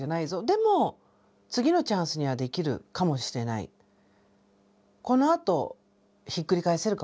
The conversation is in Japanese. でも次のチャンスにはできるかもしれないこのあとひっくり返せるかもしれないっていうふうに信じる。